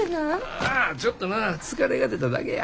ああちょっとな疲れが出ただけや。